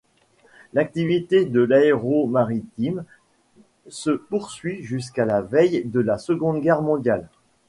L'activité de l'Aéromaritimë se poursuit jusqu'à la veille de la Seconde Guerre mondiale.